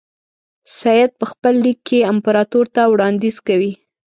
سید په خپل لیک کې امپراطور ته وړاندیز کوي.